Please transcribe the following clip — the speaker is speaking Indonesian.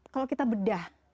kalau kita bedah